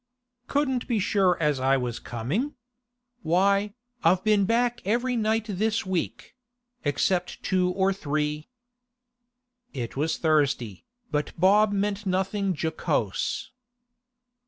'Couldn't be sure as I was coming? Why, I've been back every night this week—except two or three.' It was Thursday, but Bob meant nothing jocose.